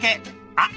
あっ！